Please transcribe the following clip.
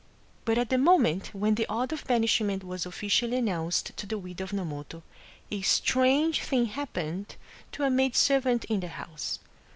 But at the moment when the order of banish ment was officially announced to the widow of Nomoto, a strange thing happened to a maid servant in the house.